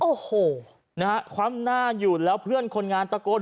โอ้โหนะฮะคว่ำหน้าอยู่แล้วเพื่อนคนงานตะโกน